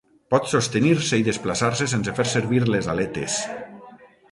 Pot sostenir-se i desplaçar-se sense fer servir les aletes.